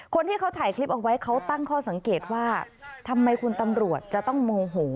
คนที่เขาถ่ายคลิปเอาไว้เขาตั้งข้อสังเกตว่าทำไมคุณตำรวจจะต้องโมโห